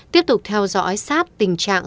tiếp tục theo dõi sát tình trạng